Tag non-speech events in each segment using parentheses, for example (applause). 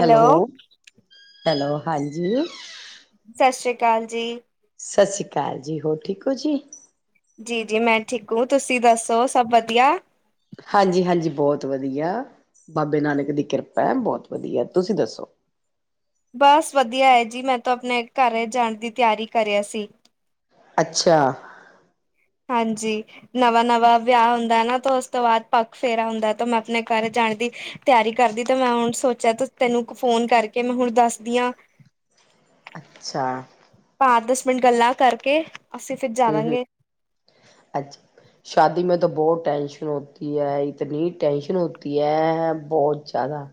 Hello, hello? ਹਾਂਜੀ। ਸਤਿ ਸ੍ਰੀ ਅਕਾਲ ਜੀ। ਸਤਿ ਸ਼੍ਰੀ ਅਕਾਲ ਜੀ। ਹੋਰ ਠੀਕ ਹੋ ਜੀ। ਜੀ- ਜੀ ਮੈਂ ਠੀਕੂ ਤੁਸੀਂ ਦੱਸੋ, ਸਭ ਵਧੀਆ। ਹਾਂਜੀ- ਹਾਂਜੀ ਬਹੁਤ ਵਧੀਆ। ਬਾਬੇ ਨਾਨਕ ਦੀ ਕਿਰਪਾ ਹੈ। ਬਹੁਤ ਵਧੀਆ ਤੁਸੀਂ ਦੱਸੋ? ਬਸ ਵਧੀਆ ਹੈ ਜੀ। ਮੈਂ ਤਾਂ ਆਪਣੇ ਘਰ ਜਾਣ ਦੀ ਤਿਆਰੀ ਕਰਿਆ ਸੀ। ਅੱਛਾ। ਹਾਂਜੀ। ਨਵਾਂ- ਨਵਾਂ ਵਿਆਹ ਹੁੰਦਾ ਨਾ ਤੇ ਉਸ ਤੋਂ ਬਾਅਦ ਪੱਖ ਫੇਰਾ ਹੁੰਦਾ ਤੇ ਮੈਂ ਆਪਣੇ ਘਰ ਜਾਣ ਦੀ ਤਿਆਰੀ ਕਰਦੀ ਤੇ ਮੈਂ ਹੁਣ ਸੋਚਿਆ ਤੈਨੂੰ ਫੋਨ ਕਰਕੇ ਮੈਂ ਹੁਣ ਦੱਸਦੀ ਆ। ਅੱਛਾ। ਪਾ ਦਸ ਮਿੰਟ ਗੱਲਾਂ ਕਰਕੇ ਅਸੀਂ ਫਿਰ ਜਾਵਾਂਗੇ। ਅੱਛਾ। ਸ਼ਾਦੀ ਮੇ ਤਾਂ ਬਹੁਤ ਟੈਂਸ਼ਨ ਹੋਤੀ ਹੈ, ਇਤਨੀ ਟੈਂਸ਼ਨ ਹੋਤੀ ਹੈ। ਬਹੁਤ ਹੇਗਾ।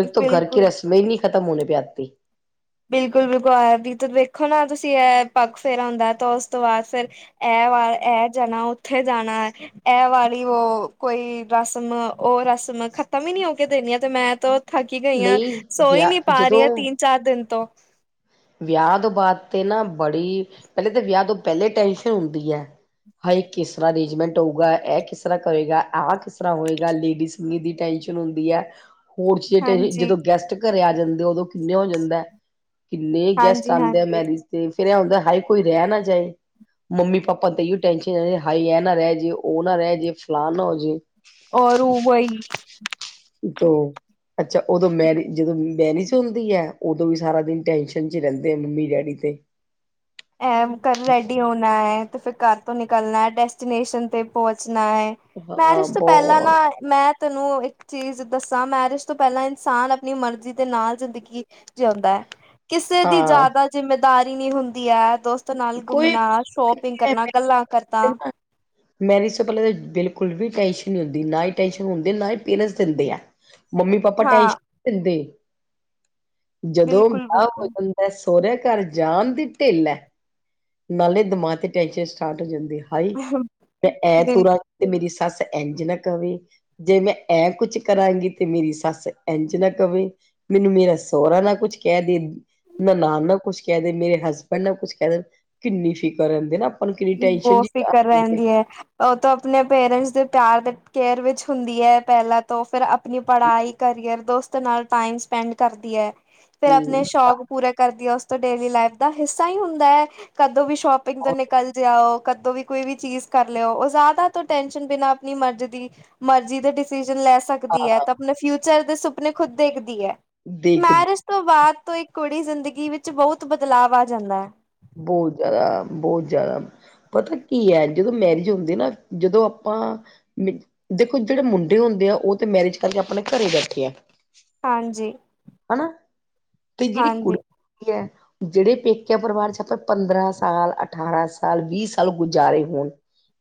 ਇੱਕ ਤੋਂ ਘਰ ਕੀ ਬਿਲਕੁਲ ਰਸਮ ਹੀ ਨਹੀਂ ਖਤਮ ਹੋਣੇ ਪੇ ਆਤੀ। ਬਿਲਕੁਲ- ਬਿਲਕੁਲ ਆਤ ਦੇਖੋ ਨਾ ਤੁਸੀ ਇਹ, ਪੱਗ ਫੇਰਾ ਹੁੰਦਾ ਤਾਂ ਉਸ ਤੋਂ ਬਾਅਦ ਫਿਰ ਇਹ ਵ ਇਹ ਜਾਣਾ ਉਥੇ ਜਾਣਾ। ਇਹ ਵਾਲੀ ਉਹ, ਕੋਈ ਰਸਮ ਉਹ ਰਸਮ ਖਤਮ ਹੀ ਨਹੀ ਹੋ ਕੇ ਦੇਣੀ ਆ ਤੇ, ਮੈੰ ਤੋਂ ਥਕੀ ਗਈਆਂ, ਸੋ ਹੀ ਨਹੀ ਪਾ ਰਹੀਆਂ ਤਿੰਨ- ਚਾਰ ਦਿਨ ਤੋਂ। ਵਿਆਹ ਤੋ ਬਾਅਦ ਤੇ ਨਾ ਬੜੀ, ਪਹਿਲੇ ਤਾਂ ਵਿਆਹ ਤੋਂ ਪਹਿਲੇ ਟੈਨਸ਼ਨ ਹੁੰਦੀ ਹੈ। ਹਾਈ ਕਿਸ ਤਰ੍ਹਾਂ ਅਰੇਂਜਮੈਂਟ ਹੋਊਗਾ, ਇਹ ਕਿਸ ਤਰ੍ਹਾਂ ਕਰੇਗਾ ਆਹ ਕਿਸ ਤਰ੍ਹਾਂ ਹੋਏਗਾ, ਲੇਡੀਸ। ਦੀ ਟੈਨਸ਼ਨ ਹੁੰਦੀ ਹੈ, ਹੋਰ ਚੀਜ ਟ, ਜਦੋ ਗੈਸਟ ਘਰੇ ਆ ਜਾਦੇ ਉਦੋ ਕਿੰਨੇ ਹੋ ਜਾਦਾ ਕਿੰਨੇ ਗੈਸਟ ਆਉਦੇ ਆ ਹਾਂਜੀ-ਹਾਂਜੀ-ਹਾਂਜੀ ਮੈਰਿਜ ਤੇ, ਫੇਰ ਇਹ ਹੁੰਦਾ ਹਾ ਕੋਈ ਰਹਿ ਨਾ ਜਾਏ। ਮੰਮੀ-ਪਾਪਾ ਤੇ ਅਈਓ ਟੈਨਸ਼ਨ ਐ ਹਾਈ ਐ ਨਾ ਰੈ ਜੇ, ਓ ਨਾ ਰੈ ਜੇ, ਫਲਾਨ ਨਾ ਹੋਜੇ। ਔਰ ਉਹ ਬਈ। ਉਤੋ, ਅੱਛਾ ਉਦੋ ਮੈਰੀਜ, ਜਦੋ ਮੈਰੀਜ ਹੁੰਦੀ ਹੈ। ਉਦੋ ਵੀ ਸਾਰਾ ਦਿਨ ਟੈਨਸ਼ਨ 'ਚ ਰਹਿੰਦੇ ਆ ਮੰਮੀ- ਡੈਡੀ ਤੇ ਐ ਘਰ ਰੈਡੀ ਹੋਣਾ ਹੈ, ਤੇ ਫਿਰ ਘਰ ਤੋ ਨਿਕਲਣਾ, ਡੈਸਟੀਨੇਸ਼ਨ 'ਤੇ ਪਹੁੰਚਣਾ ਹੈ। ਹਾਂ ਪੈਰਿਸ ਤੋਂ ਪੈਲਾ ਨਾ ਬਹੁਤ ਮੈ ਤੈਨੂੰ ਇਕ ਚੀਜ ਦੱਸਾਂ, ਮੈਰਿਜ ਤੋ ਪਹਿਲਾਂ ਇਨਸਾਨ ਆਪਣੀ ਮਰਜ਼ੀ ਦੇ ਨਾਲ ਜ਼ਿੰਦਗੀ ਜਿਉਂਦਾ ਹੈ, ਕਿਸੇ ਦੀ ਹਾਂ ਜਿਆਦਾ ਜਿੰਮੇਦਾਰੀ ਨੀ ਹੁੰਦੀ ਹੈ ਦੋਸਤ ਤੇ ਨਾਲ ਕੋਈ ਘੁੰਮਣਾ, ਸ਼ੋਪਿੰਗ ਕਰਨਾ, ਗੱਲਾਂ ਕਰਦਾ। ਮੈਰਿਜ ਤੋਂ, ਪਹਿਲੇ ਤਾਂ। ਬਿਲਕੁਲ ਵੀ, ਟੈਂਸ਼ਨ ਨਹੀਂ ਹੁੰਦੀ। ਨਾ ਹੀ ਟੈਂਸ਼ਨ ਹੁੰਦੀ, ਨਾ ਹੀ ਪੇਰੈਂਸ ਦਿੰਦੇ ਆ। ਮੰਮੀ ਪਾਪਾ ਟਾਈ ਹਾਂ ਦਿੰਦੇ ਜਦੋਂ ਬਿਲਕੁਲ ਵਿਆਹ ਹੋ ਬਿਲਕੁਲ ਤੇ ਸੋਹੁਰਿਆ ਘਰ। ਜਾਣ ਦੀ ਢਿੱਲ ਹੈ। ਨਾਲੇ ਦਿਮਾਗ ਤੇ ਟੈਸ਼ਨ ਸਟਾਰਟ ਹੋਜਾਂਦੀ ਹਾਈ ਮ ਬਿਲਕੁਲ ਐਤਰਾ ਤੇ ਮੇਰੀ ਸੱਸ ਇੰਝਨਾ ਕਵੇ। ਜੇ। ਮੈਂ, ਐ ਕੁਛ ਕਰਾਂਗੀ। ਤੇ, ਮੇਰੀ ਸੱਸ, ਇੰਝ ਨਾ, ਕਵੇ। ਮੈਨੂੰ, ਮੇਰਾ ਸਹਰਾ, ਨਾ ਕੁਝ, ਕਹਿ ਦੇ। ਨਨਾਨ ਨਾ ਕੁਛ ਕਹਿ ਦੇ। ਮੇਰੇ, ਹਸਬੈਂਡ ਨਾ ਕੁੱਛ ਕਹਿ ਦੇਨ। ਕਿੰਨੀ ਫਿਕਰ ਰਰਿੰਦੀ ਨਾ। ਨੂੰ ਕਿੰਨੀ ਟੈਨਸ਼ਨ ਬਹੁ, ਜੀ ਆ ਫਿਕਰ। ਜਾਂਦੀ ਰਹਿੰਦੀ ਹੈ। ਉਹ, ਤੇ ਆਪਣੇ ਪੇਰੈਂਟਸ ਦੇ ਪਿਆਰ, ਤੇ ਕੇਅਰ ਵਿੱਚ ਹੁੰਦੀ। ਹੈ। ਪਹਿਲਾਂ ਤੋਂ, ਔ ਫਿਰ। ਆਪਣੀ ਪੜਾਈ ਕਰੀ ਅਰ, ਦੋਸਤ ਨਾਲ, ਟਾਈਮ ਸਪੈਂਡ ਕਰਦੀ ਹੈ। ਫੇਰ, ਆਪਣੇ ਹੂੰ, ਸ਼ੌਕ। ਪੂਰਾ ਕਰਦੀ ਹੈ ਉਸ ਤੋਂ ਡੇਲੀ ਲਾਈਫ ਦਾ ਹਿੱਸਾ ਹੀ ਹੁੰਦਾ ਹੈ, ਕਦੋ ਵੀ ਸ਼ੋਪਿੰਗ ਤੋ ਨ ਓ ਕਦੋਂ ਵੀ ਕੋਈ ਵੀ ਚੀਜ ਕਰ ਲਿਓ, ਉਹ ਜਿਆਦਾ ਤੋਂ ਟੈਨਸ਼ਨ ਬਿਨਾਂ ਆਪਣੀ ਮਰਜ਼ ਦੀ। ਮਰਜ਼ੀ ਦੇ ਡਿਸੀਜ਼ਨ ਲੈ ਸਕ ਦੇਖਦੀ ਹੈ, ਹਾਂ ਆਪਣੇ ਫਿਊਚਰ ਦੇ ਸੁਪਨੇ ਖੁਦ ਦੇਖਦੀ ਹੈ, ਦੇਖ ਮੈਰਿਜ ਤੋਂ ਬਾਅਦ, ਤੋਂ ਇੱਕ, ਕੁੜੀ ਜ਼ਿੰਦਗੀ ਵਿੱਚ, ਬਹੁਤ ਬਦਲਾਵ ਆ ਜਾਂਦਾ ਹੈ। ਬਹੁਤ ਜ਼ਿਆਦਾ, ਬਹੁਤ ਜ਼ਿਆਦਾ। ਪਤਾ ਕੀ ਹੈ, ਜਦੋਂ ਮੈਰਿਜ ਹੁੰਦੀ, ਨਾ। ਜਦੋਂ ਆਪਾਂ। ਦੇਖੋ ਜਿਹੜੇ ਮੁੰਡੇ ਹੁੰਦੇ, ਆ। ਉਹ ਤੇ, ਮੈਰਿਜ ਕਰਕੇ, ਆਪਣੇ ਘਰੇ ਬੈਠੇ ਆ। ਹਾਂਜੀ। ਹਨਾ ਤੇ ਜਿਹੜੀ ਹਾਂਜੀ, ਕੁੜਤੀ ਹੈ। ਜਿਹੜੇ ਪੇਕਿਆ ਪਰਿਵਾਰ ਚਚ। ਆਪਾਂ ਪੰਦਰਾਂ ਸਾਲ ਅਠਾਰਾਂ ਸਾਲ। ਵੀਹ ਸਾਲ ਗੁਜ਼ਾਰੇ ਹੋਣ।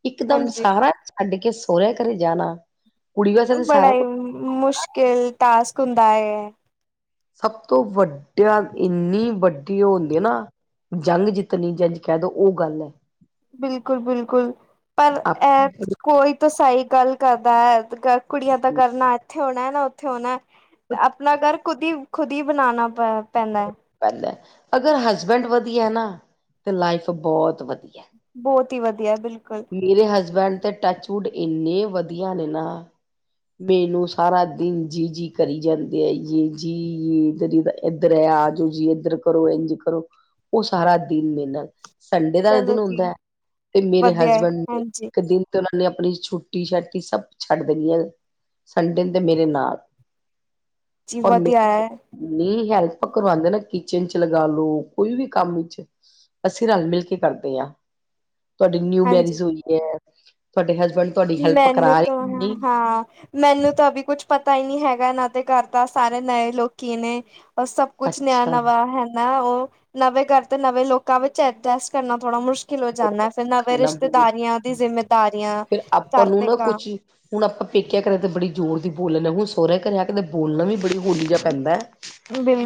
ਇਕਦਮ ਹਾਂਜੀ। ਸਾਰਾ ਛੱਡ ਕੇ ਸੋਹੁਰੇ ਘਰੇ ਜਾਣਾ। ਕੁੜੀ ਵਾਸਤੇ ਤਾਂ ਬੜਾ ਸਾਰਾ ਹੀ ਕੁਛ ਮੁਸ਼ਕਿਲ ਟਾਸਕ ਹੁੰਦਾ ਹੈ। ਸਭ ਤੋਂ ਵੱਡਾ ਇੰਨੀ ਵੱਡੀ ਉਹ ਹੁੰਦੀ ਹੈ ਨਾ। ਜੰਗ ਜਿੱਤਣੀ ਜੰਜ ਕਹਿ ਦਉ ਉਹ ਗੱਲ ਹੈ। ਬਿਲਕੁਲ ਬਿਲਕੁਲ ਪਰ ਇਹ ਆਪ ਕੋਈ ਤਾਂ ਸਹੀ ਗੱਲ ਕਰਦਾ ਹੈ। ਕੁੜੀਆਂ ਦਾ ਘਰਨਾ ਇੱਥੇ ਹੋਣਾ ਨਾ ਉੱਥੇ ਹੋਣਾ ਤੇ ਆਪਣਾ ਘਰ ਕੁਦੀ। ਖੁਦ ਹੀ ਬਣਾਾਨਣਾ ਪੈ। ਨਾ ਪਹਿਲਾਂ ਅਗਰ ਹਸਬੈਂਡ ਵਧੀਆ ਨਾ ਤੇ ਲਾਈਫ ਬਹੁਤ ਵਧੀਆ। ਬਹੁਤ ਹੀ ਵਧੀਆ ਬਿਲਕੁਲ। ਮੇਰੇ ਹਸਬੈਂਡ ਤੇ ਟਚਵੁੱਡ ਇੰਨੇ ਵਧੀਆ ਨੇ ਨਾ। ਮੈਨੂੰ ਸਾਰਾ ਦਿਨ ਜੀ ਜੀ ਕਰੀ ਜਾਂਦੇ ਆ ਯੇ ਜੀ ਯ ਇਧਰ। ਇੱਧਰ ਆ ਆ ਜਾਓ ਜੀ ਇੱਧਰ ਕਰੋ ਇੰਝ ਕਰੋ ਉਹ ਸਾਰਾ ਦਿਨ ਮੇਰੇ ਨਾਲ। ਸੰਡੇ ਦਾ ਚਲੋ ਦਿਨ ਜੀ ਹੁੰਦਾ ਹੈ ਤੇ ਮੇਰੇ ਵਧੀਆ ਹਸਬੈਂਡ। ਹੈ ਨੇ ਹਾਂਜੀ ਇੱਕ ਦਿਨ ਤੇ ਉਹਨਾਂ ਨੇ ਆਪਣੀ ਛੁੱਟੀ ਛਾਟੀ ਸਭ ਛੱਡ ਦੇਣੀ ਹੈ। ਸੰਡੇ ਦੇ ਮੇਰੇ ਨਾਲ। ਜੀ ਵਧਿਆ ਹੈ। ਮੇਰੀ ਹੈਲਪ ਕਰਵਾਉਂਦੇ ਨਾ ਕਿਚਨ ਚ ਲਗਾਾਲੋ ਕੋਈ ਵੀ ਕੰਮ ਵਿਚ। ਅਸੀਂ ਰਲ ਮਿਲ ਕੇ ਕਰਦੇ ਹਾਂ ਤੁਹਾਡੀ ਨਿਊ ਹਾਂਜੀ ਮੈਰਿਜ ਹੋਈ ਹੈ ਤੁਹਾਡੇ ਹਸਬੈਂਡ। ਤੁਹਾਡੀ ਹੈਲਪ ਮੈਨੂੰ ਕਰਾ ਤਾਂ ਰਹੇ ਨਹੀਂ ਹਾਂ। ਮੈਨੂੰ ਤਾਂ ਅਭੀ ਕੁਛ ਪਤਾ ਹੀ ਨਹੀਂੀ ਹੈਗਾ। ਇਹਨਾਂ ਦੇ ਘਰ ਦਾ ਸਾਰੇ ਨਵੇ ਲੋਕੀ ਨੇ। ਸਭ ਕੁਛ ਨਿਆਂ ਅੱਛਾ ਨਵਾਂ ਹੈ ਨਾ ਉਹ। ਨਵੇਂ ਘਰ ਤੇ ਨਵੇਂਲੋਕਾਂ ਵਿੱਚ ਐਡਜਸਟ ਕਰਨਾ ਥੋੜਾ ਮੁਸ਼ਕ ਖਲੋ ਬਹੁਤ ਜਾਂਦਾ ਫਿਰ ਔਖਾ ਨਵੇਂ ਹੈ ਨਾ ਰਿਸ਼ਤੇਦਾਰੀਆਂ ਦੀ ਜਿੰਮੇਦਾਰੀਆਂ। ਘਰ ਉਹਨੂੰ ਤੇ ਨਾ ਕੁਛ ਕੰਮ ਹੁਣ ਆਪਾਂ ਪੇਕਿਆ ਘਰੇ ਤੇ ਬੜੀ ਜ਼ੋਰ ਦੀ ਬੋਲਣਾ ਹੁਣ ਸੋਹੁਰਿਆਂ ਘਰ ਆ ਕਰਦੇ ਬੋਲਣਾ ਵੀ ਬੜੀ ਬੋਲੀ ਪੈਂਦਾ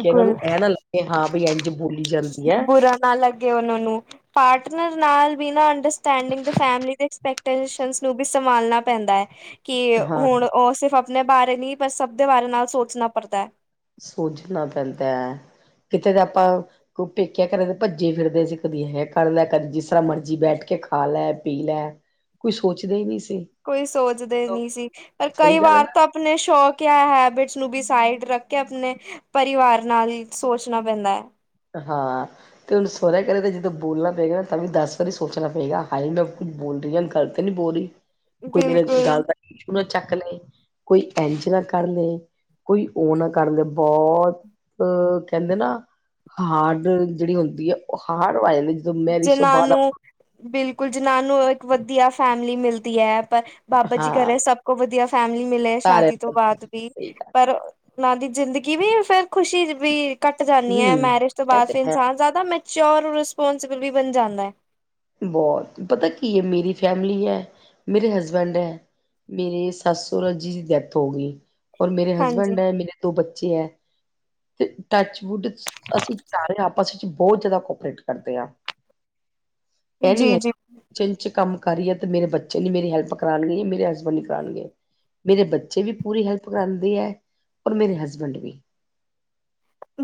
ਕਿ ਇਹਨਾਂ ਨੂੰ ਇਹ ਨਾ ਲੱਗੇ ਹਾਂ ਬ ਇੰਝ ਬੋਲੀ ਜਾਂਦੀ। ਹੈ ਬੁਰਾ ਨਾ ਲੱਗੇ ਉਹਨਾਂ ਨੂੰ ਪਾਰਟਨਰ ਨਾਲ ਅੰਡਸਟਡਿੰਗ ਫੈਮਲੀ ਦੇ ਐਕਸਪੈਕਟੇਸ਼ਨਸ ਨੂੰ ਵੀ ਸੰਭਾਲਣਾ ਪੈਂਦਾ ਹੈ। ਕਿ ਹਾਂ ਹੁਣ ਉਹ ਸਿਰਫ ਆਪਣੇ ਬਾਰੇ ਨਹੀਂੀ ਪਰ ਸਭ ਦੇ ਬਾਰੇ ਨਾਲ ਸੋਚਣਾ ਪੜਦਾ ਹੈ। ਸੋਝਣਾ ਪੈਂਦਾ ਹੈ ਕਿਤੇ ਤਾਂ ਆਪਾਂ ਕੋ ਪੇਕਿਆ ਘਰੇ ਦੇ ਭੱਜੇ ਫਿਰਦੇ ਸੀ ਕਦੀ ਇਹ ਕਰ ਲੈ ਕਦੇ ਜਿਸ ਤਰ੍ਹਾਂ ਮਰਜੀੀ ਬੈਠ ਕੇ ਖਾ ਲੈ ਪੀ ਲੈ ਕੋਈ ਸੋਚਦਾ ਹੀ ਨਹੀਂ ਸੀ ਕੋਈ ਸੋਚਦੇ ਨੀ ਸੀ ਪਰ ਕਈ ਸਹੀ ਗੱਲ ਹੈ ਨਾ ਵਾਰ ਤਾਂ ਆਪਣੇ ਸ਼ੌਕ ਜਾਂ ਹੈਬਿਟਸ ਨੂੰ ਵੀ ਸਾਈਡ ਰੱਖ ਕੇ ਆਪਣੇ ਪਰਿਵਾਰ ਨਾਲ ਸੋਚਣਾ ਪੈਂਦਾ ਹੈ ਹਾਂ ਤੇ ਹੁਣ ਸਹੁਰਿਆ ਘਰੇ ਤਾਂ ਜਦੋਂ ਬੋਲਣਾ ਪਏਗਾ ਨਾ ਤਾਂ ਵੀ ਦਸ ਵਾਰੀ ਸੋਚਣਾ ਪਏਗਾ ਹਾ ਮੈਂ ਕੁੱਝ ਬੋਲ ਰਹੀ ਹ ਗਲ ਨੀ ਬੋਲਹੀ ਕੋਈ ਮੇਰੇ ਬਿਲਕੁਲ ਗੱਲ ਦਾੂ ਨਾ ਚੱਕ ਲਏ ਕੋਈ ਇੰਝ ਨਾ ਕਰ ਲਇ ਕੋਈ ਉਹ ਨਾ ਕਰਦੇ ਬਹੁਤ ਕਹਿੰਦੇ ਨਾ। ਹਾਰਡ ਜਿਹੜੀ ਹੁੰਦੀ ਹੈ ਉਹ ਹਾਰਡ ਵੋਇਲ ਜਿਨਾਾਨ ਨੂੰ ਬਿਲਕੁਲ ਜਿਨਾਾਨ ਨੂੰ ਇੱਕ ਵਧੀਆ ਫੈਮਲੀ ਮਿਲਦੀ ਹੈ ਪਰ। ਬਾਬਾ ਜੀ ਹਾਂ ਕਰਹੇ ਸਭ ਕੋ ਵਧੀਆ ਫੈਮਲੀ ਮਿਲੇ ਸਾਰੇ ਸ਼ਾਦੀ ਤੋਂ ਬਾਅਦ ਵੀ ਸਹੀ ਗੱਲ ਪਰ ਉਹਨਾਂ ਦੀ ਜ਼ਿੰਦਗੀ ਵੀ ਫੇਰ ਖੁਸ਼ੀ ਵੀ ਘੱਟ ਜਾਂਦੀ ਹੈ ਹਮ ਮੈਰਿਜ ਤੋਂ ਇਹ ਬਾਅਦ ਤੇ ਫਿਰ ਹੈ ਇਨਸਾਨ ਜ਼ਿਆਦਾ ਮ ਚਰ ਰਿਸਪੋਂਸੀਬਲ ਵੀ ਬਣ ਜਾਂਦਾ ਏ ਬਹੁਤ ਪਤਾ ਕੀ ਏ ਮੇਰੀ ਫੈਮਲੀ ਹੈ ਮੇਰੇ ਹਸਬੈਂਡ ਐ ਮੇਰੇ ਸੱਸ ਸੋਹਰੇ ਜੀ ਦੀ ਡੈਥ ਹੋ ਗਈ ਔਰ ਮੇਰੇ ਹਾਂਜੀ ਹਸਬੈਂਡ ਏ ਮੇਰੇ ਦੋ ਬੱਚੇ ਐ ਤੇ ਟੱਚਵੁੱਡ ਅਸੀਂ ਸਾਰੇ ਆਪਸ ਵਿੱਚ ਬਹੁਤ ਜ਼ਿਆਦਾ ਕੋਪਰੇਟ ਕਰਦੇ ਆਂ ਇਹ ਨਹੀ ਜੀ ਹੈ ਜੀ ਕਿਚਨ ਚ ਕੰਮ ਕਰੀ ਏ ਤੇ ਮੇਰੇ ਬੱਚੇ ਨੀ ਮੇਰੀ ਹੈਲਪ ਕਰਾਉਣਗੇ ਮੇਰੇ ਹਸਬੈਂਡ ਨ ਕਰਾਉਣਗੇ ਮੇਰੇ ਬੱਚੇ ਵੀ ਪੂਰੀ ਹੈਲਪ ਕਰਾਉਂਦੇ ਹੈ ਔਰ ਮੇਰੇ ਹਸਬੈਂਡ ਵੀ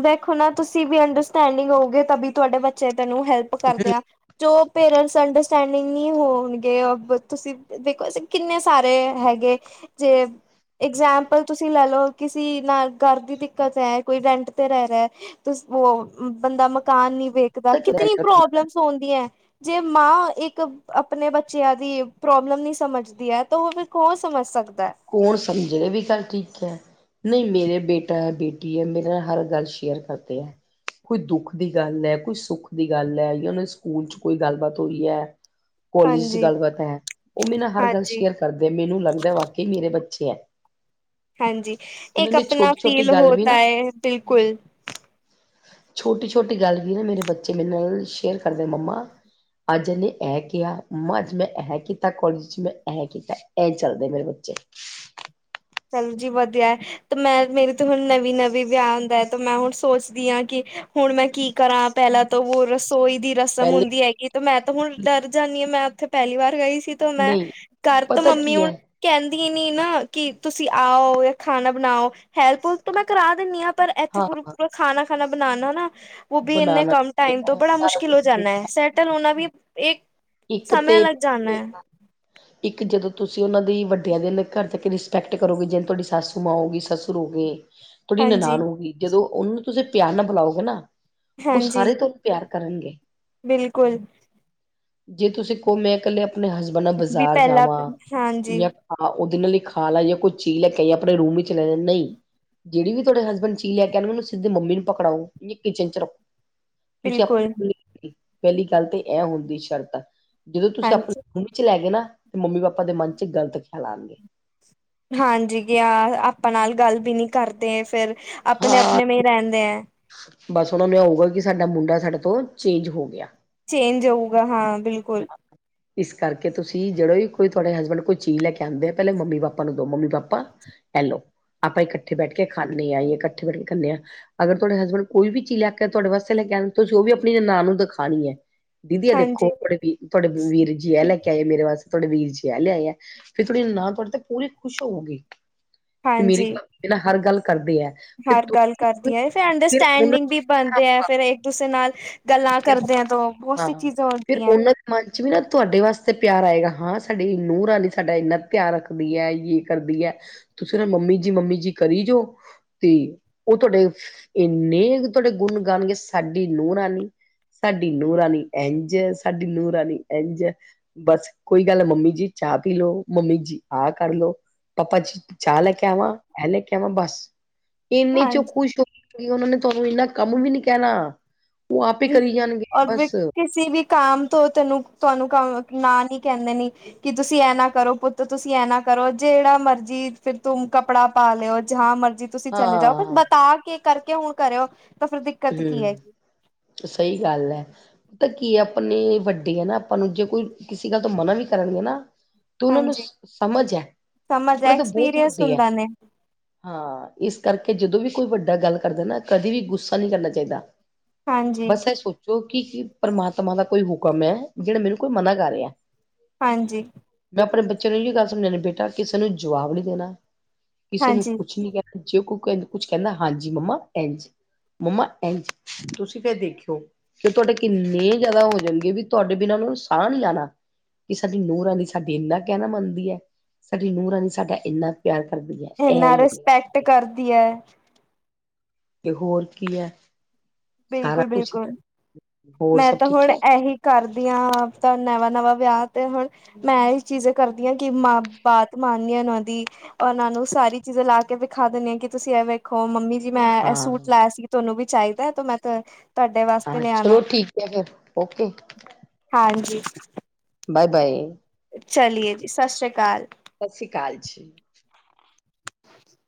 ਵੇਖੋ ਨਾ ਤੁਸੀਂ ਵੀ ਅੰਡਰਸਟੈਂਡਿੰਗ ਹੋਓਗੇ ਤਾਂ ਵੀ ਤੁਹਾਡੇ ਬੱ ਚੇ ਤੈਨੂੰ ਹੈਲਪ ਕਰਦੇ ਆ ਜ਼ੋ ਪੇਰੇਂਟਸ ਅੰਡਰ ਸਟੈਂਡਿੰਗ ਨਹੀਂ ਹੋਣਗੇ ਤੁਸੀਂ ਦੇਖੋ ਅਸੀਂ ਕਿੰਨੇ ਸਾਰੇ ਹੈਗੇ ਜੇ ਇਗਜਾਮਪਲ ਤੁਸੀਂ ਲੈਲਓ ਕਿਸੇ ਨਾਲ ਘਰ ਦੀ ਦਿੱਕਤ ਹੈ ਕੋਈ ਰੈਂਟ ਤੇ ਰਹਿ ਰਿਹਾ ਬੰਦਾ ਮਕਾਨ ਨੀ ਵੇਖਦਾ ਕਿਤਨੀ ਪ੍ਰੋਬਲਮਸ ਆਉਂਦੀਆਂ ਜੇ ਮਾਂ ਇੱਕ ਆਪਣੇ ਬੱਚਿਆਂ ਦੀ ਪ੍ਰੋਬਲਮ ਨ ਸਮਝਦੀ ਐ ਤਾਂ ਉਹ ਫਿਰ ਕੌਣ ਸਮਝ ਸਕਦਾ ਕੌਣ ਸਮਝ ਰਹੇ ਵੀ ਗੱਲ ਠੀਕ ਏ ਨਹੀਂ ਮੇਰੇ ਬੇਟਾ ਏ ਬੇਟੀ ਏ ਮੇਰੇ ਨਾਲ ਹਰ ਗੱਲ ਸ਼ੇਅਰ ਕਰਦੇ ਐ ਕੋਈ ਦੁੱਖ ਦੀ ਗੱਲ ਏ ਕੋਈ ਸੁੱਖ ਦੀ ਗੱਲ ਏ ਜਾਂ ਉਹਨਾਂ ਦੇ ਸਕੂਲ 'ਚ ਕੋਈ ਗੱਲਬਾਤ ਹੋਈ ਐ (inaudible) ਕੋਲਜ ਚ ਗੱਲਬਾਤ ਹੈ ਉਹ ਮੇਰੇ ਨਾਲ ਹਰ ਗੱਲ ਹਾਂਜੀ, ਸ਼ੇਅਰ ਕਰਦੇ ਮੈਨੂੰ ਲੱਗਦਾ ਵਾਕਈ ਮੇਰੇ ਬੱਚੇ ਏ ਹਾਂਜੀ ਇੱਕ ਆਪਣਾ ਛੋਟੀ ਛੋਟੀ ਫੀਲ ਗੱਲ ਵੀ ਹੋਤਾ ਨਾ ਹੈ ਬਿਲਕੁਲ ਛੋਟੀ ਛੋਟੀ ਗੱਲ ਵੀ ਨਾ ਮੇਰੇ ਬੱਚੇ ਮੇਰੇ ਨਾਲ ਸ਼ੇਅਰ ਕਰਦੇ ਮੰਮਾ ਅੱਜ ਇਹਨੇ ਇਹ ਕਿਹਾ ਮੰਮਾ ਅੱਜ ਮੈਂ ਐਂ ਕੀਤਾ ਕੋਲਜ ਚ ਮੈਂ ਐਂ ਕੀਤਾ ਐ ਚੱਲਦੇ ਮੇਰੇ ਬੱਚੇ (inaudible) ਚੱਲ ਜੀ ਵਧੀਆ ਏ ਤੇ ਮੈਂ ਮੇਰੇ ਤੇ ਹੁਣ ਨਵੀਂ ਨਵੀਂ ਵਿਆਹ ਹੁੰਦਾ ਹੈ ਤੇ ਮੈਂ ਹੁਣ ਸੋਚਦੀ ਆਂ ਕਿ ਹੁਣ ਮੈਂ ਕੀ ਕਰਾਂ ਪਹਿਲਾਂ ਤੋਂ ਉਹ ਰਸੋਈ ਦੀ ਰਸਮ ਪਹਿਲੇ ਹੁੰਦੀ ਹੈਗੀ ਤੇ ਮੈਂ ਤਾਂ ਹੁਣ ਡਰ ਜਾਂਦੀ ਆਂ ਮੈਂ ਉੱਥੇ ਪਹਿਲੀ ਵਾਰ ਗਈ ਸੀ ਤੇ ਮੈਂ ਨਹੀਂ ਘਰ ਤ ਪਤਾ ਮੰਮੀ ਕੀ ਹੁਣ ਹੈ ਕਹਿੰਦੀ ਨੀ ਨਾ ਕਿ ਤੁਸੀਂ ਆਓ ਜਾਂ ਖਾਣਾ ਬਣਾਓ ਹੈਲਪੁ ਤੋਂ ਮੈਂ ਕਰਾ ਦਿੰਦੀ ਆਂ ਪਰ ਇੱਥੇ ਹਾਂ ਪੂਰਾ ਪੂਰਾ ਖਾਣਾ ਖਾਣਾ ਬਣਾਉਣਾ ਨਾ ਉਹ ਵੀ ਇੰਨੇ ਬਣਾਣਾ ਕਮ ਟਾਈਮ ਤੋਂ ਚਾਹੀਦਾ ਹੈ, ਬੜਾ ਸਾਰਾ ਮੁਸ਼ਕਿਲ ਕੁਛ ਹੋ ਜਾਂਦਾ ਐ ਦੇਖਣਾ ਸੈਟਲ ਹੋਣਾ ਵੀ ਇੱਕ ਇੱਕ ਤੇ ਸਮੇ ਲੱਗ ਜਾਣਾ (inaudible) ਇੱਕ ਜਦੋਂ ਤੁਸੀਂ ਉਹਨਾਂ ਦੀ ਵੱਡਿਆਂ ਦੇ ਘਰ ਤੱਕ ਰਿਸਪੈਕਟ ਕਰੋਗੇ ਜਿਵੇਂ ਤੁਹਾਡੀ ਸਸੂ ਮਾਂ ਹੋ ਗੀ ਸੱਸੁਰ ਹੋ ਗਏ (inaudible) ਥੋੜ੍ਹੀ ਹਾਂਜੀ ਨਨਾਾਨ ਹੋ ਗਈ ਜਦੋਂ ਉਹਨੂੰ ਤੁਸੀਂ ਪਿਆਰ ਨਾਲ ਬੁਲਾਓਗੇ ਨਾ ਉਹ ਹਾਂਜੀ ਸਾਰੇ ਤੁਹਾਨੂੰ ਪਿਆਰ ਕਰਨਗੇ ਬਿਲਕੁਲ ਜੇ ਤੁਸੀਂ ਕਹੋ ਮੈਂ ਇਕੱਲੇ ਆਪਣੇ ਹਸਬੈਂਡ ਨਾਲ ਵੀ ਬਾਜ਼ਾਰ ਪਹਿਲਾਂ ਜਾਵਾਂ ਹਾਂਜੀ ਜਾਂ ਹਾਂ ਉਹਦੇ ਨਾਲ ਲਈ ਖਾ ਲਾ ਕੋਈ ਚੀਜ਼ ਲੈ ਕੇਏ ਆਪਣੇ ਰੂਮ ਵਿੱਚ ਲੈ ਲ ਨਹੀਂ ਜਿਹੜੀ ਵੀ ਤੁਹਾਡੇ ਹਸਬੈਂਡ ਚੀਜ਼ ਲੈਕੇ ਆਨ ਮਨੂੰ ਸਿੱਧੇ ਮੰਮੀ ਨੂੰ ਪਕੜਾਓ ਕਿਚਨ'ਚ ਰੱਖੋ। ਤੁਸੀਂ ਬਿਲਕੁਲ ਆਪਣੇ ਕੋ, ਪਹਿਲੀ ਗੱਲ ਤੇ ਐ ਹੁੰਦੀ ਸ਼ਰਤ ਜਦੋਂ ਤੁਸੀਂ ਆਪਣੇ ਹਾਂਜੀ ਰੂਮ' ਚ ਲੈ ਗਏ ਨਾ, ਤੇ ਮੰਮੀ-ਪਾਪਾ ਦੇ ਮਨ'ਚ ਗਲਤ ਖਿਆਲ ਆਣਗੇ। ਹਾਂਜੀ, ਗਿਆ ਆਪਾਂ ਨਾਲ ਗੱਲ ਵੀ ਨਹੀਂ ਕਰਦੇ, ਫਿਰ ਆਪਣੇ ਹਾਂ ਆਪਣੇ ਮੇਂ ਰਹਿੰਦੇ ਐ। ਬਸ ਉਹਨਾਂ ਨੁੰ ਆਊਗਾ, ਕਿ ਸਾਡਾ ਮੁੰਡਾ ਸਾਡੇ ਤੋਂ ਚੇਂਜ ਹੋ ਗਿਆ। ਚੇਂਜ ਹੋਊਗਾ ਹਾਂ ਬਿਲਕੁਲ (unintelligible) ਇਸ ਕਰਕੇ ਤੁਸੀਂ ਜਿਹੜੇ ਵੀ ਕੋਈ ਤੁਹਾਡੇ ਹਸਬੈਂਡ ਕੋਈ ਚੀਜ਼ ਲੈ ਕੇ ਆਉਂਦੇ ਆ ਪਹਿਲਾਂ ਮੰਮੀ ਪਾਪਾ ਨੂੰ ਦੋ ਮੰਮੀ ਪਾਪਾ ਐਹਿ ਲੋ ਆਪਾਂ ਇਕੱਠੇ ਬੈਠ ਕੇ ਖਾਂਨੇ ਆ ਜਾਂ ਇਕੱਠੇ ਬੈਠ ਕੇ (unintelligible) ਹਾਂ ਅਗਰ ਤੁਹਾਡੇ ਹਸਬੈਂਡ ਕੋਈ ਵੀ ਚੀਜ਼ ਲੈ ਕੇ ਤੁਹਾਡੇ ਵਾਸਤੇ ਲੈ ਕੇ ਆਂਦੇ ਤੁਸੀਂ ਉਹ ਵੀ ਆਪਣੀ ਨੰਨਾਨ ਨੂੰ ਦਿਖਾਉਣੀ ਐ ਦੀਦੀ ਆ ਦੇਖੋ ਹਾਂਜੀ ਵੀ ਥੋਡੇ ਵੀਰ ਜਿਆ ਲੈ ਕੇ ਆਏ ਮੇਰੇ ਵਾਸਤੇ ਤੁਹਾਡੇ ਵੀਰ ਜੀ ਆ ਲੈ ਆਏ ਫਿਰ ਤੁਹਾਡੀ ਨੰਨਾਨ ਤੁਹਾਡੇ ਤੇ ਪੂਰੀ ਖੁਸ਼ ਹੋਵਗੀ ਕਿ ਮੇਰੀ ਹਾਂਜੀ ਭ ਨਾ ਹਰ ਗੱਲ ਕਰਦੇ ਐ ਹਰ ਗੱਲ ਕਰਦੀ ਏ ਫਿਰ ਉਹਨਾਂ ਅੰਡਰਸਟੈਂਡਿੰਗ ਵੀ ਬਣਦੇ ਏ ਫੇਰ ਇੱਕ ਕਿਸੇ ਨਾਲ ਗੱਲਾਂ ਨੂੰ ਕਰਦਿਆਂ ਤੋਂ ਬਹੁਤ ਸ ਹਾਂ, ਫਿਰ (unintelligible) ਉਹਨਾਂ ਦੇ ਮਨ ਚ ਵੀ ਨਾ ਤੁਹਾਡੇ ਵਾਸਤੇ ਪਿਆਰ ਆਏਗਾ ਹਾਂ ਸਾਡੀ ਨੂੰ ਰਾਣੀ ਸਾਡਾ ਇੰਨਾ ਧਿਆਨ ਰੱਖਦੀ ਹੈ ਜੇ ਕਰਦੀ ਹੈ, ਤੁਸੀਂ ਨਾ, ਮੰਮੀ ਜੀ, ਮੰਮੀ ਜੀ, ਕਰੀ ਜਾਓ ਤੇ, ਉਹ ਤੁਹਾਡੇ ਇੰਨੇ ਕ ਗੁਣ ਗਾਣਗੇ ਸਾਡੀ ਨੂੰਹ ਰਾਣੀ। ਸਾਡੀ ਨੂੰ ਰਾਣੀ ਇੰਝ, ਸਾਡੀ ਨੂੰਹ ਰਾਨੀ ਐਂਝ। ਬਸ ਕੋਈ ਗੱਲ, ਮੰਮੀ ਜੀ ਚਾਹ ਪੀ ਲੋ, ਮੰਮੀ ਜੀ, ਆ ਕਰਲੋ। ਪਾਪਾਜੀ ਚਾਹ ਲੈਕੇ ਆਵਾਂ, ਐ ਲੇਕੇ ਆਵਾਂ ਬਸ। ਇੰਨੇ ਚੋਂ ਹਾਂਜੀ ਖ਼ੁਸ਼ ਹੋ ਉਹਨਾਂ ਨੇ ਤੁਹਾਨੂੰ ਇੰਨਾ ਕੰਮ ਵੀ ਨੀ ਕਹਿਣਾ, ਉਹ ਆਪ ਪੇ ਕਰੀ ਜਾਣਗੇ ਔਰ ਵੀ ਬਸ। ਕਿਸੇ ਵੀ ਕਾਮ ਤੋਂ ਤਾੰਨੂ, ਤੁਹਾਨੂੰ ਨਾ, ਨੀ ਕਹਿੰਦੇ ਨੇ। ਕਿ ਤੁਸੀਂ ਐ ਨਾ ਕਰੋ ਪੁੱਤ, ਤੁਸੀਂ ਐ ਨਾ ਕਰੋ, ਜਿਹੜਾ ਮਰਜੀ ਫਿਰ ਤੂਮ ਕੱਪੜਾ ਪਾ ਲਿਓ, ਜਹਾਂ ਮਰਜੀ ਤੁਸੀਂ ਚਲੇ ਜਾਓ, ਫ ਹਾਂ ਬਤਾਕੇ ਕਰਕੇ ਹੁਣ ਕਰਿਓ, ਤਾਂ ਫਿਰ ਦਿੱਕਤ ਕੀ ਏ। ਹੂੰ ਸਹੀ ਗੱਲ ਐ। ਤਾ ਕੀ ਆਪਣੇ ਵੱਡੇ ਆ ਨਾ ਆਪਾਂ ਨੂੰ, ਜੇ ਕੋਈ ਕਿਸੇ ਗੱਲ ਤੋਂ ਮਨਾ ਵੀ ਕਰਨਗੇ ਨਾ ਤੋ ਨਾ, ਉਹਨਾਂ ਨੂੰ ਹਾਂਜੀ ਸਮਝ ਹੈ, ਸਮਝ ਹੈ ਉਹੜ ਤਾਂ ਬਹੁਤ ਐਕਸਪੀਰੀਅੰਸ ਵੱਡੇ ਹੈ। ਹੁੰਦਾ ਨੇ ਹਾਂ, ਇਸ ਕਰਕੇ ਜਦੋਂ ਵੀ ਕੋਈ ਵੱਡਾ ਗੱਲ ਕਰਦਾ ਨਾ, ਕਦੇ ਵੀ ਗੁੱਸਾ ਨਹੀਂ ਕਰਨਾ ਚਾਹੀਦਾ। ਹਾਂਜੀ ਬਸ ਇਹ ਸੋਚ ਜੋ ਕਿ, ਕੀ ਪਰਮਾਤਮਾ ਦਾ ਕੋਈ ਹੁਕਮ ਹੈ, ਜਿਹੜਾ ਮੈਨੂੰ ਕੋਈ ਮਨਾ ਕਰ ਰਿਹਾ। ਹਾਂਜੀ। ਮੈਂ ਆਪਣੇ ਬੱਚਿਆਂ ਨੂੰ ਇਹੀਓ ਗੱਲ ਸਮਝਾਂਨੀ, ਬੇਟਾ ਕਿਸੇ ਨੂੰ ਜਵਾਬ ਨੀ ਦੇਣਾ, ਕਿਸੇ ਨੂੰ ਹਾਂਜੀ ਕੁਛ ਨੀ ਕਹਿਣਾ। ਜੇ ਕੋ ਕੁਛ ਕਹਿੰਦਾ, ਹਾਂਜੀ ਮੰਮਾ, ਏਂਂਝ। ਮੰਮਾ ਐਂਝ, ਤੁਸੀਂ ਫਿਰ ਦੇਖਿਓ। ਫ ਤੁਹਾਡੇ ਕਿੰਨੇ ਜ਼ਿਆਦਾ ਹੋ ਜਾਣਗੇ, ਵੀ ਤੁਹਾਡੇ ਬਿਨਾਂ ਉਹਨਾਂ ਨੂੰ ਸਾਹ ਨਹੀਂ ਆਣਾ। ਕਿ ਸਾਡੀ ਨੂੰਹ ਰਾਣੀ ਸਾਡੀ ਇੰਨਾ ਕਹਿਣਾ ਮੰਨਦੀ ਹੈ, ਸਾਡੀ ਨੂੰਹ ਰਾਣੀ ਸਾਡਾ ਇੰਨਾ ਪਿਆਰ ਕਰਦੀ ਹੈ। ਇੰਨਾ ਇਹ ਹੋ ਗਿਆ ਰਿਸਪੈਕਟ ਕਰਦੀ ਐ। ਤੇ, ਹੋਰ ਕੀ ਐ। ਬਿਲਕੁਲ, ਬਿਲਕੁਲ। ਹੋਰ ਮੈਂ ਸਭ ਤਾਂ ਠੀਕ ਹੁਣ, ਹੈ ਇਹੀ ਕਰਦੀ ਹਾਂ, ਤਾਂ ਨਵਾਂ-ਨਵਾਂ ਵਿਆਹ ਤੇ ਹੁਣ ਮੈਂ ਇਹ ਚੀਜ਼ ਕਰਦੀ ਹਾਂ ਕਿ, ਮ ਬਾਤ ਮਾਨਨੀ ਓਹਨਾਂ ਦੀ। ਓਹਨਾਂ ਨੂੰ ਸਾਰੀ ਚੀਜ਼ਾਂ ਲਾਕੇ ਵਿਖਾ ਦਿੰਦੇ ਆ ਕਿ, ਤੁਸੀਂ ਐਵੇਂ ਦੇਖੋ ਮੰਮੀ ਜੀ ਮੈਂ, ਇਹ ਹਾਂ ਸੂਟ ਲਾਇਆ ਸੀ ਤੁਹਾਨੂੰ ਵੀ ਚਾਹੀਦਾ ਹੈ? ਤੇ ਮੈਂ, ਤੇ ਹਾਂ, ਚਲੋ ਠੀਕ ਹੈ ਫਿਰ, ਓਕੇ। ਹਾਂਜੀ। ਬਾਏ-ਬਾਏ। ਚਲੀਏ ਜੀ, ਸਤ ਸ੍ਰੀ ਅਕਾਲ। ਸਤ ਸ਼੍ਰੀ ਅਕਾਲ ਜੀ।